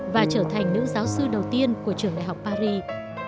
và trở thành nữ giáo sư đầu tiên của trường đại học paris